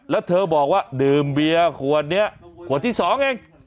แล้วเธอบอกว่าดื่มเบียร์ขวดนี้ขวดที่๒เอง